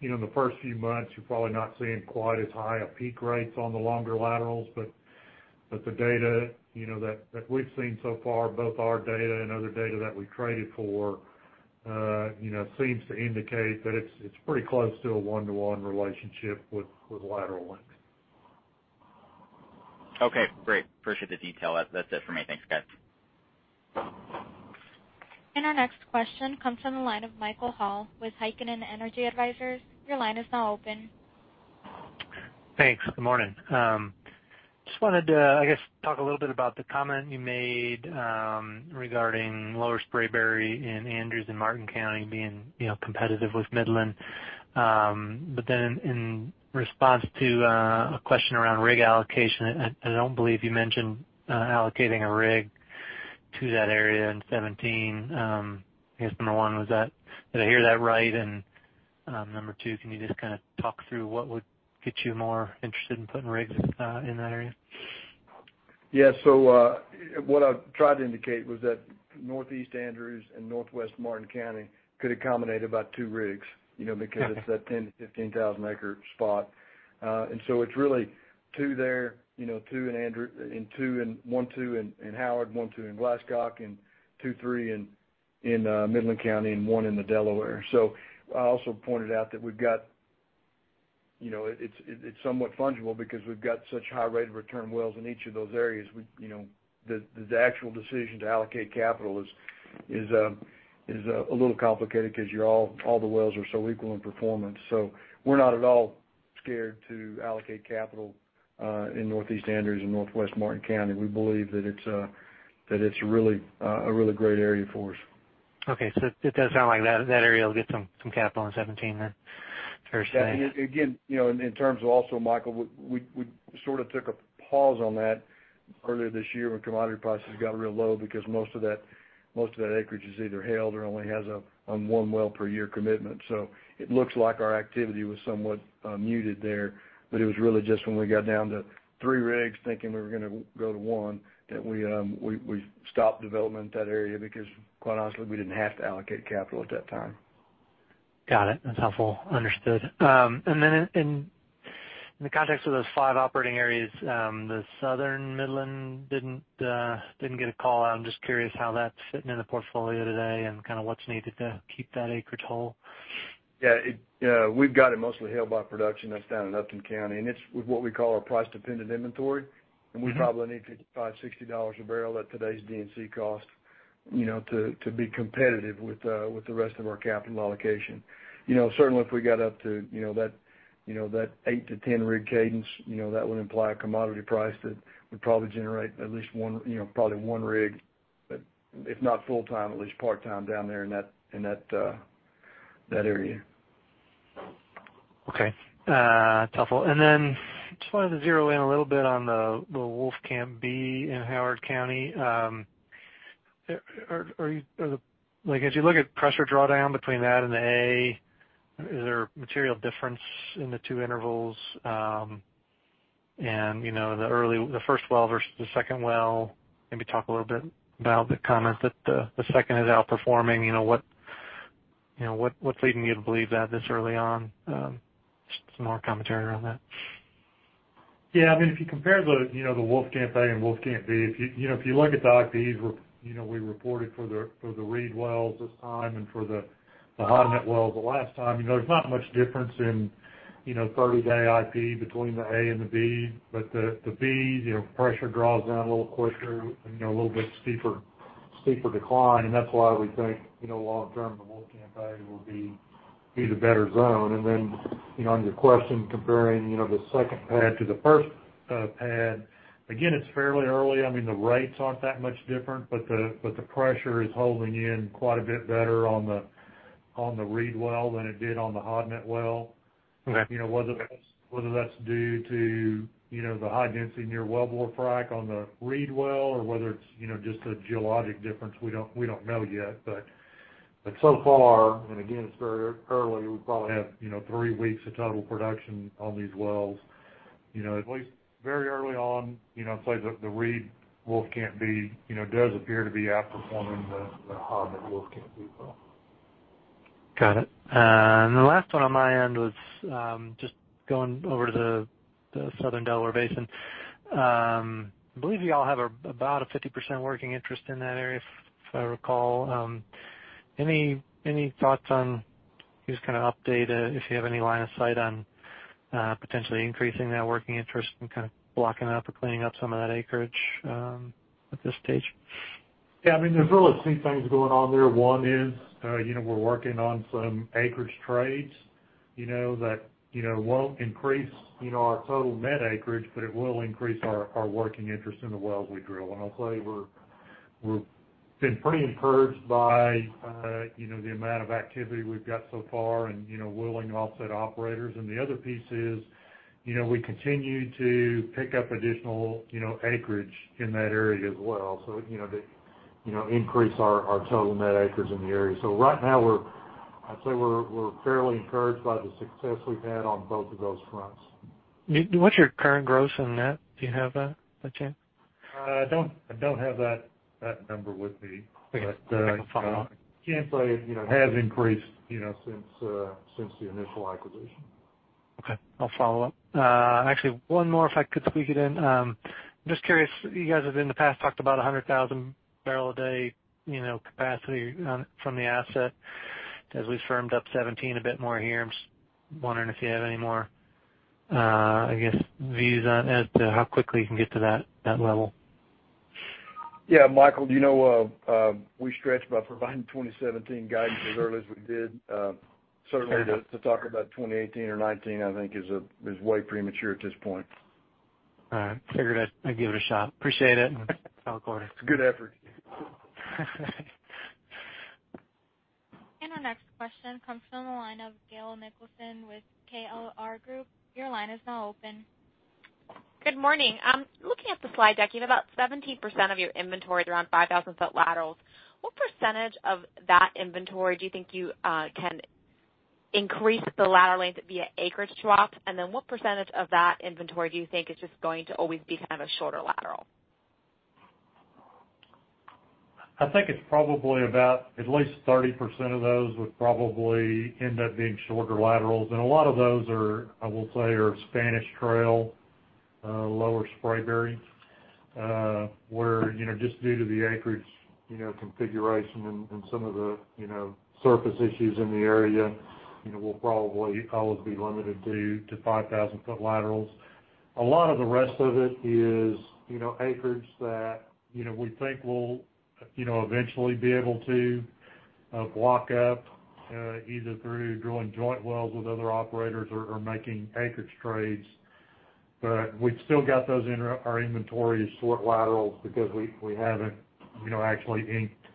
in the first few months, you're probably not seeing quite as high a peak rates on the longer laterals. The data that we've seen so far, both our data and other data that we traded for, seems to indicate that it's pretty close to a one-to-one relationship with lateral length. Okay, great. Appreciate the detail. That's it for me. Thanks, guys. Our next question comes from the line of Michael Hall with Heikkinen Energy Advisors. Your line is now open. Thanks. Good morning. Just wanted to talk a little bit about the comment you made regarding Lower Spraberry in Andrews and Martin County being competitive with Midland. In response to a question around rig allocation, I don't believe you mentioned allocating a rig to that area in 2017. I guess number one, did I hear that right? Number two, can you just talk through what would get you more interested in putting rigs in that area? Yeah. What I tried to indicate was that Northeast Andrews and Northwest Martin County could accommodate about two rigs, because it's that 10,000 to 15,000 acre spot. It's really two there, one, two in Howard, one, two in Glasscock, and two, three in Midland County, and one in the Delaware. I also pointed out that it's somewhat fungible because we've got such high rate of return wells in each of those areas. The actual decision to allocate capital is a little complicated because all the wells are so equal in performance. We're not at all scared to allocate capital in Northeast Andrews and Northwest Martin County. We believe that it's a really great area for us. Okay. It does sound like that area will get some capital in 2017 then. Fair to say. In terms of also, Michael, we sort of took a pause on that earlier this year when commodity prices got real low because most of that acreage is either held or only has a one well per year commitment. It looks like our activity was somewhat muted there, but it was really just when we got down to three rigs thinking we were going to go to one, that we stopped development in that area because quite honestly, we didn't have to allocate capital at that time. Got it. That's helpful. Understood. In the context of those five operating areas, the Southern Midland didn't get a call out. I'm just curious how that's sitting in the portfolio today and what's needed to keep that acreage whole. Yeah. We've got it mostly held by production that's down in Upton County. It's what we call our price-dependent inventory. We probably need $55-$60 a barrel at today's D&C cost to be competitive with the rest of our capital allocation. Certainly, if we got up to that eight to 10 rig cadence, that would imply a commodity price that would probably generate probably one rig, if not full-time, at least part-time down there in that area. Okay. Helpful. Just wanted to zero in a little bit on the Wolfcamp B in Howard County. As you look at pressure drawdown between that and the Wolfcamp A, is there a material difference in the two intervals? The first well versus the second well, maybe talk a little bit about the comment that the second is outperforming. What's leading you to believe that this early on? Just some more commentary around that. Yeah. If you compare the Wolfcamp A and Wolfcamp B, if you look at the IPs we reported for the Reed wells this time and for the Hodnett wells the last time, there's not much difference in 30-day IP between the Wolfcamp A and the Wolfcamp B. The Wolfcamp B, pressure draws down a little quicker and a little bit steeper decline, and that's why we think, long-term, the Wolfcamp A will be the better zone. On your question comparing the second pad to the first pad, again, it's fairly early. The rates aren't that much different, the pressure is holding in quite a bit better on the Reed well than it did on the Hodnett well. Okay. Whether that's due to the high density near wellbore frack on the Reed well or whether it's just a geologic difference, we don't know yet. So far, and again, it's very early, we probably have three weeks of total production on these wells. At least very early on, I'd say the Reed Wolfcamp B does appear to be outperforming the Hodnett Wolfcamp B well. Got it. The last one on my end was just going over to the Southern Delaware Basin. I believe you all have about a 50% working interest in that area, if I recall. Any thoughts on, just update if you have any line of sight on potentially increasing that working interest and blocking up or cleaning up some of that acreage at this stage? Yeah. There's really three things going on there. One is we're working on some acreage trades that won't increase our total net acreage, but it will increase our working interest in the wells we drill. I'll tell you, we've been pretty encouraged by the amount of activity we've got so far and willing offset operators. The other piece is we continue to pick up additional acreage in that area as well. To increase our total net acreage in the area. Right now, I'd say we're fairly encouraged by the success we've had on both of those fronts. What's your current gross on net? Do you have that by chance? I don't have that number with me. I can follow up. I can say it has increased since the initial acquisition. Okay. I'll follow up. Actually, one more if I could squeak it in. I'm just curious, you guys have in the past talked about 100,000 barrel a day capacity from the asset. As we firmed up 2017 a bit more here, I'm just wondering if you have any more, I guess, views on as to how quickly you can get to that level. Yeah. Michael, we stretched by providing 2017 guidance as early as we did. Certainly to talk about 2018 or 2019, I think is way premature at this point. All right. Figured I'd give it a shot. Appreciate it. Talk later. It's a good effort. Our next question comes from the line of Gail Nicholson with KLR Group. Your line is now open. Good morning. Looking at the slide deck, about 17% of your inventory is around 5,000-foot laterals. What percentage of that inventory do you think you can increase the lateral length via acreage swap? What percentage of that inventory do you think is just going to always be kind of a shorter lateral? I think it's probably about at least 30% of those would probably end up being shorter laterals. A lot of those are, I will say, are Spanish Trail, Lower Spraberry, where just due to the acreage configuration and some of the surface issues in the area, we'll probably always be limited to 5,000-foot laterals. A lot of the rest of it is acreage that we think we'll eventually be able to block up, either through drilling joint wells with other operators or making acreage trades. We've still got those in our inventory as short laterals because we haven't actually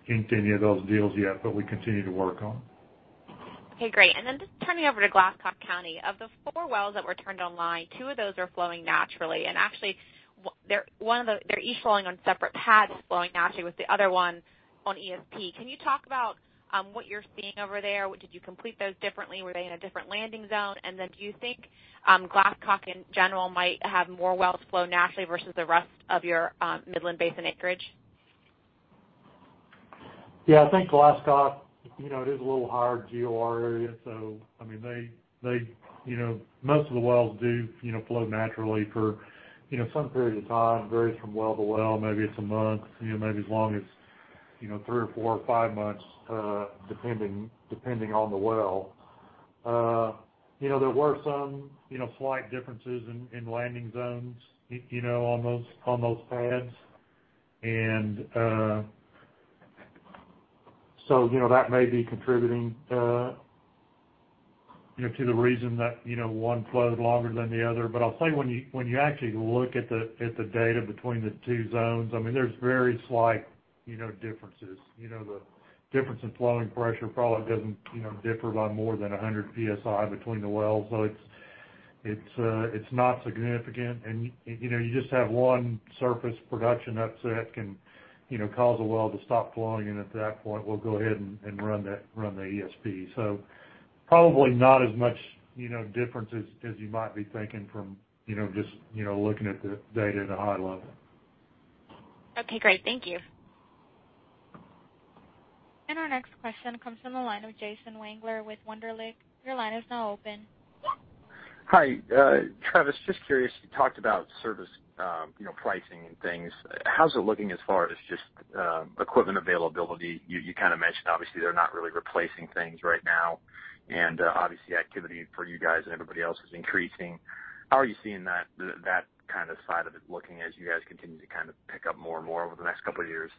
inked any of those deals yet, but we continue to work on them. Okay, great. Just turning over to Glasscock County, of the 4 wells that were turned online, 2 of those are flowing naturally. They're each flowing on separate pads, flowing naturally, with the other one on ESP. Can you talk about what you're seeing over there? Did you complete those differently? Were they in a different landing zone? Do you think Glasscock, in general, might have more wells flow naturally versus the rest of your Midland Basin acreage? Yeah, I think Glasscock, it is a little higher GOR area. Most of the wells do flow naturally for some period of time. Varies from well to well, maybe it's a month, maybe as long as 3 or 4 or 5 months, depending on the well. There were some slight differences in landing zones on those pads. That may be contributing to the reason that one flowed longer than the other. I'll tell you, when you actually look at the data between the 2 zones, there's very slight differences. The difference in flowing pressure probably doesn't differ by more than 100 psi between the wells. It's not significant. You just have one surface production upset can cause a well to stop flowing, and at that point, we'll go ahead and run the ESP. Probably not as much difference as you might be thinking from just looking at the data at a high level. Okay, great. Thank you. Our next question comes from the line of Jason Wangler with Wunderlich. Your line is now open. Hi. Travis, just curious, you talked about service pricing and things. How is it looking as far as just equipment availability? You mentioned, obviously, they are not really replacing things right now, and obviously activity for you guys and everybody else is increasing. How are you seeing that side of it looking as you guys continue to pick up more and more over the next couple of years?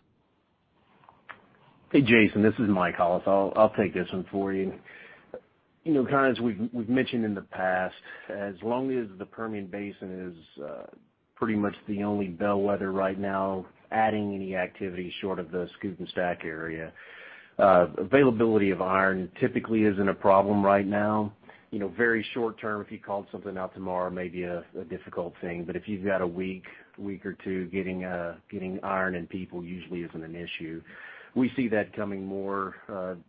Hey, Jason, this is Mike Hollis. I will take this one for you. As we have mentioned in the past, as long as the Permian Basin is pretty much the only bellwether right now, adding any activity short of the Scoop and Stack area. Availability of iron typically isn't a problem right now. Very short term, if you called something out tomorrow, it may be a difficult thing. If you have got a week or two, getting iron and people usually isn't an issue. We see that coming more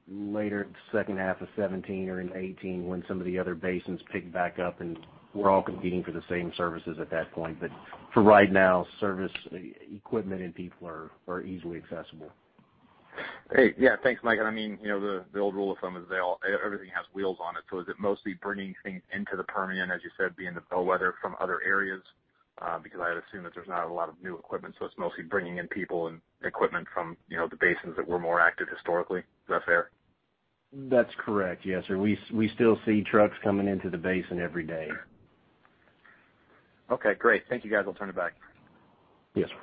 later in the second half of 2017 or into 2018, when some of the other basins pick back up, and we are all competing for the same services at that point. For right now, service equipment and people are easily accessible. Great. Yeah. Thanks, Mike. The old rule of thumb is everything has wheels on it. Is it mostly bringing things into the Permian, as you said, being the bellwether from other areas? I would assume that there is not a lot of new equipment, so it is mostly bringing in people and equipment from the basins that were more active historically. Is that fair? That's correct. Yes, sir. We still see trucks coming into the basin every day. Okay, great. Thank you, guys. I'll turn it back. Yes, sir.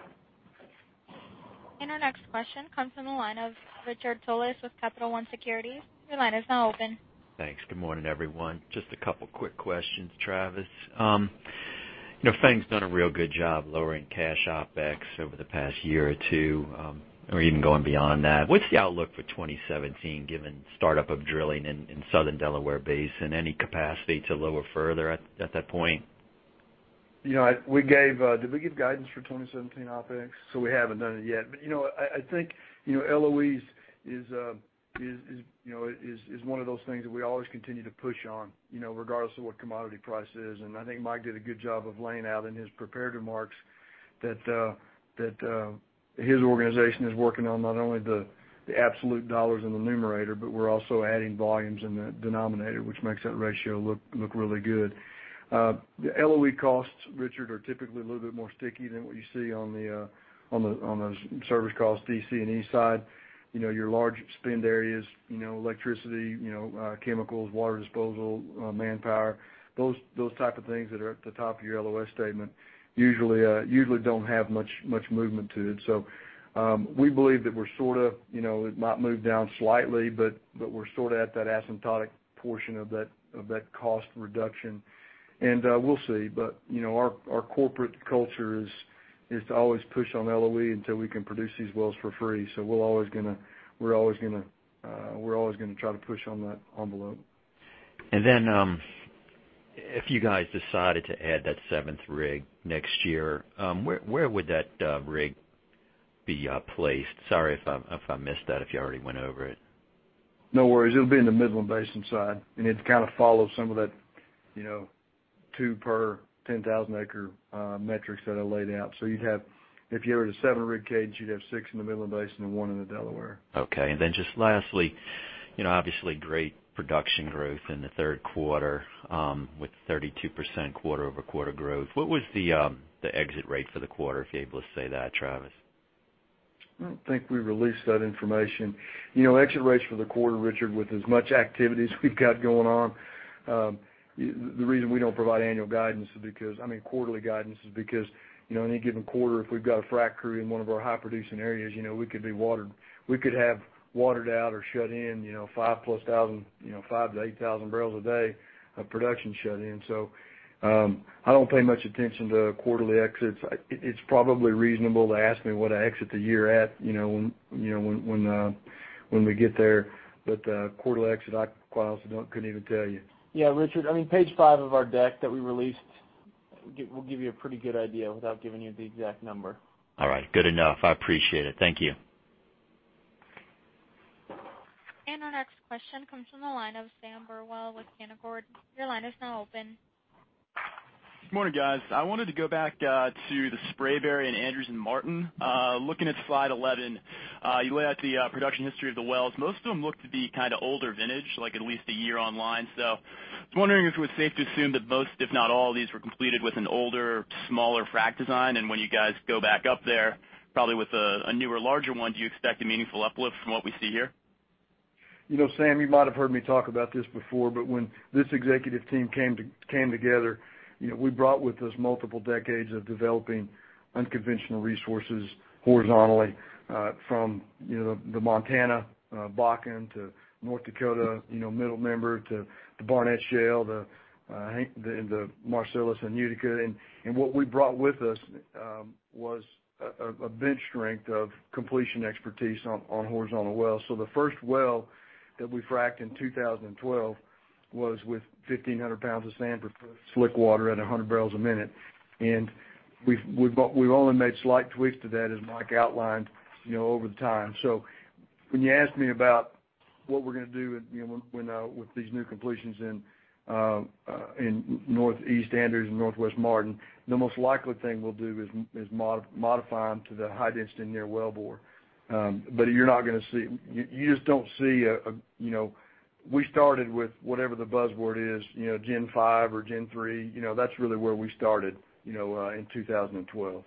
Our next question comes from the line of Richard Tullis with Capital One Securities. Your line is now open. Thanks. Good morning, everyone. Just a couple quick questions, Travis. FANG's done a real good job lowering cash OpEx over the past year or two, or even going beyond that. What's the outlook for 2017, given startup of drilling in Southern Delaware Basin? Any capacity to lower further at that point? Did we give guidance for 2017 OpEx? We haven't done it yet. I think LOE is one of those things that we always continue to push on, regardless of what commodity price is. I think Mike did a good job of laying out in his prepared remarks that his organization is working on not only the absolute dollars in the numerator, but we're also adding volumes in the denominator, which makes that ratio look really good. The LOE costs, Richard, are typically a little bit more sticky than what you see on those service costs, DC&E side. Your large spend areas, electricity, chemicals, water disposal, manpower, those type of things that are at the top of your LOE statement usually don't have much movement to it. We believe that it might move down slightly, but we're sort of at that asymptotic portion of that cost reduction. We'll see. Our corporate culture is to always push on LOE until we can produce these wells for free. We're always going to try to push on that envelope. If you guys decided to add that seventh rig next year, where would that rig be placed? Sorry if I missed that, if you already went over it. No worries. It'll be in the Midland Basin side, and it follows some of that two per 10,000-acre metrics that I laid out. If you had a seven-rig cage, you'd have six in the Midland Basin and one in the Delaware. Okay. Just lastly, obviously great production growth in the third quarter with 32% quarter-over-quarter growth. What was the exit rate for the quarter, if you're able to say that, Travis? I don't think we released that information. Exit rates for the quarter, Richard, with as much activity as we've got going on, the reason we don't provide quarterly guidance is because any given quarter, if we've got a frack crew in one of our high-producing areas, we could have watered out or shut in 5,000 to 8,000 barrels a day of production shut in. I don't pay much attention to quarterly exits. It's probably reasonable to ask me what I exit the year at when we get there. Quarterly exit, I quite honestly couldn't even tell you. Yeah, Richard, page five of our deck that we released We'll give you a pretty good idea without giving you the exact number. All right. Good enough. I appreciate it. Thank you. Our next question comes from the line of Sam Burwell with Canaccord. Your line is now open. Good morning, guys. I wanted to go back to the Spraberry and Andrews and Martin. Looking at slide 11, you lay out the production history of the wells. Most of them look to be older vintage, like at least a year online. I was wondering if it was safe to assume that most, if not all, these were completed with an older, smaller frack design. When you guys go back up there, probably with a newer, larger one, do you expect a meaningful uplift from what we see here? You know, Sam, you might have heard me talk about this before, when this executive team came together, we brought with us multiple decades of developing unconventional resources horizontally. From the Montana Bakken to North Dakota Middle Member to the Barnett Shale, the Marcellus, and Utica. What we brought with us was a bench strength of completion expertise on horizontal wells. The first well that we fracked in 2012 was with 1,500 pounds of sand per slick water at 100 barrels a minute. We've only made slight tweaks to that, as Mike Hollis outlined, over the time. When you asked me about what we're going to do with these new completions in Northeast Andrews and Northwest Martin, the most likely thing we'll do is modify them to the high density near wellbore. You just don't see. We started with whatever the buzzword is, Gen-5 or Gen-3. That's really where we started in 2012.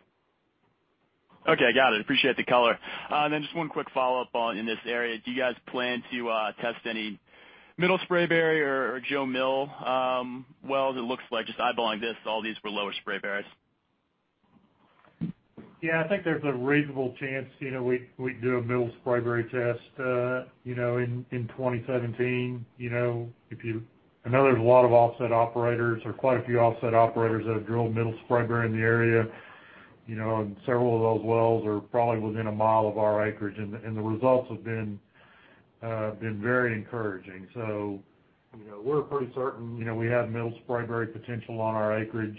Okay, got it. Appreciate the color. Then just one quick follow-up in this area. Do you guys plan to test any Middle Spraberry or Jo Mill wells? It looks like, just eyeballing this, all these were Lower Spraberrys. Yeah, I think there's a reasonable chance we can do a Middle Spraberry test in 2017. I know there's a lot of offset operators, or quite a few offset operators that have drilled Middle Spraberry in the area, and several of those wells are probably within a mile of our acreage, and the results have been very encouraging. We're pretty certain we have Middle Spraberry potential on our acreage.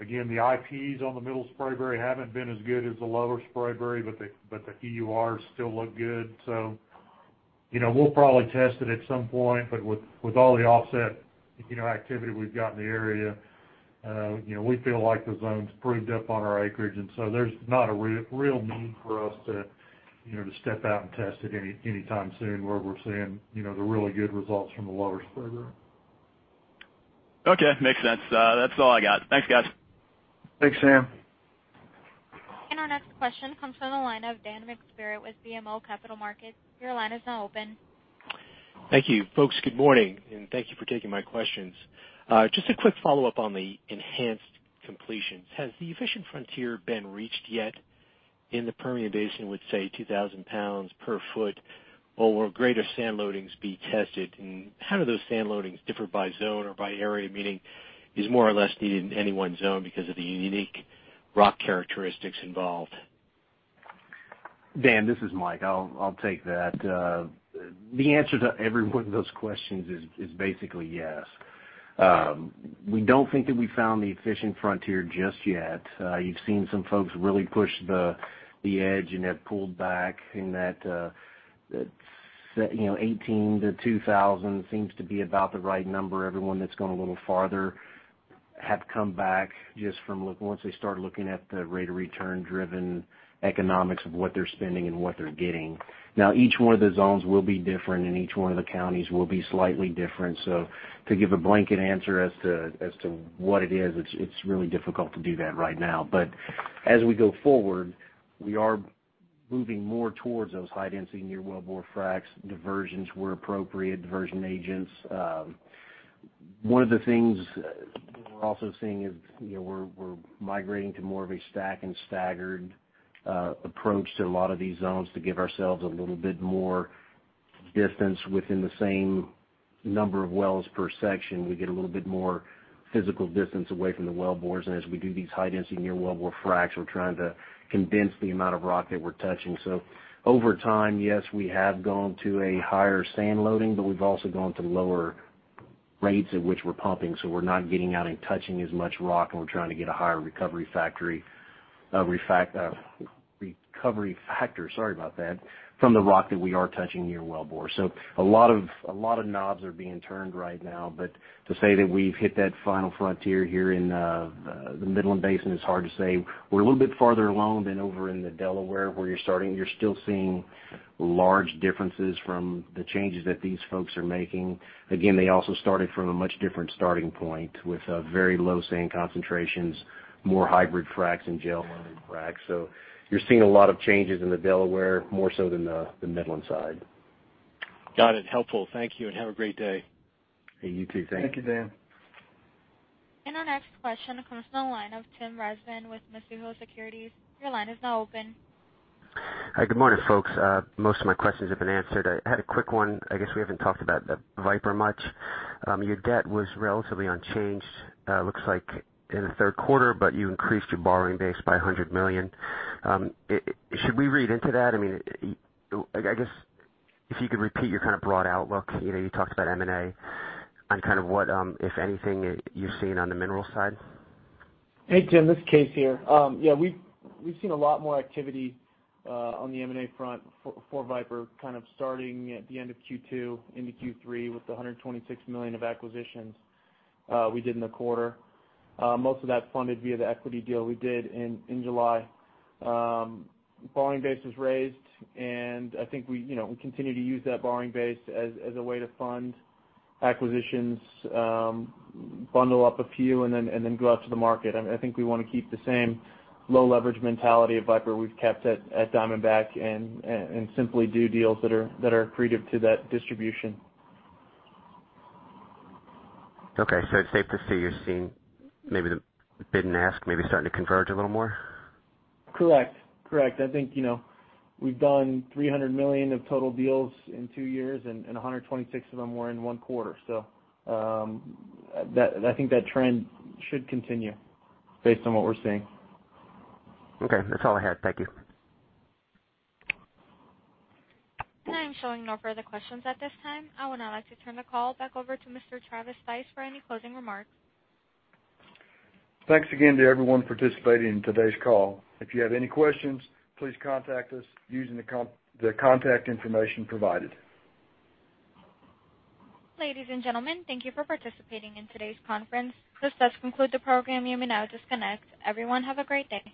Again, the IPs on the Middle Spraberry haven't been as good as the Lower Spraberry, but the EURs still look good. We'll probably test it at some point, but with all the offset activity we've got in the area, we feel like the zone's proved up on our acreage, and so there's not a real need for us to step out and test it any time soon, where we're seeing the really good results from the Lower Spraberry. Okay. Makes sense. That's all I got. Thanks, guys. Thanks, Sam. Our next question comes from the line of Dan McSpirit with BMO Capital Markets. Your line is now open. Thank you. Folks, good morning, and thank you for taking my questions. Just a quick follow-up on the enhanced completions. Has the efficient frontier been reached yet in the Permian Basin with, say, 2,000 pounds per foot, or will greater sand loadings be tested? How do those sand loadings differ by zone or by area, meaning is more or less needed in any one zone because of the unique rock characteristics involved? Dan, this is Mike. I'll take that. The answer to every one of those questions is basically yes. We don't think that we found the efficient frontier just yet. You've seen some folks really push the edge and have pulled back, and that 18-2,000 seems to be about the right number. Everyone that's gone a little farther have come back just from once they start looking at the rate of return-driven economics of what they're spending and what they're getting. Each one of the zones will be different, and each one of the counties will be slightly different. To give a blanket answer as to what it is, it's really difficult to do that right now. As we go forward, we are moving more towards those high density near wellbore fracs, diversions where appropriate, diversion agents. One of the things we're also seeing is we're migrating to more of a stack and staggered approach to a lot of these zones to give ourselves a little bit more distance within the same number of wells per section. We get a little bit more physical distance away from the wellbores, and as we do these high density near wellbore fracs, we're trying to condense the amount of rock that we're touching. Over time, yes, we have gone to a higher sand loading, but we've also gone to lower rates at which we're pumping. We're not getting out and touching as much rock, and we're trying to get a higher Recovery factor, sorry about that, from the rock that we are touching near wellbore. A lot of knobs are being turned right now, to say that we've hit that final frontier here in the Midland Basin is hard to say. We're a little bit farther along than over in the Delaware, where you're still seeing large differences from the changes that these folks are making. Again, they also started from a much different starting point with very low sand concentrations, more hybrid fracs, and gel-loaded fracs. You're seeing a lot of changes in the Delaware, more so than the Midland side. Got it. Helpful. Thank you, have a great day. Hey, you too. Thank you. Thank you, Dan. Our next question comes from the line of Tim Rezvan with Mizuho Securities. Your line is now open. Hi. Good morning, folks. Most of my questions have been answered. I had a quick one. I guess we haven't talked about Viper much. Your debt was relatively unchanged, it looks like, in the third quarter, but you increased your borrowing base by $100 million. Should we read into that? I guess if you could repeat your broad outlook. You talked about M&A on what, if anything, you've seen on the minerals side. Hey, Tim, this is Kaes here. Yeah, we've seen a lot more activity on the M&A front for Viper, starting at the end of Q2 into Q3 with the $126 million of acquisitions we did in the quarter. Most of that funded via the equity deal we did in July. Borrowing base was raised. I think we continue to use that borrowing base as a way to fund acquisitions, bundle up a few, and then go out to the market. I think we want to keep the same low leverage mentality of Viper we've kept at Diamondback and simply do deals that are accretive to that distribution. Okay, it's safe to say you're seeing maybe the bid and ask maybe starting to converge a little more? Correct. I think we've done $300 million of total deals in two years, and 126 of them were in one quarter. I think that trend should continue based on what we're seeing. Okay. That's all I had. Thank you. I am showing no further questions at this time. I would now like to turn the call back over to Mr. Travis Stice for any closing remarks. Thanks again to everyone participating in today's call. If you have any questions, please contact us using the contact information provided. Ladies and gentlemen, thank you for participating in today's conference. This does conclude the program. You may now disconnect. Everyone, have a great day.